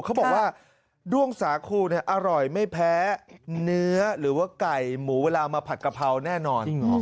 เขาบอกว่าด้วงสาคูอร่อยไม่แพ้เนื้อหรือว่าไก่หมูเวลามาผัดกะเพราแน่นอน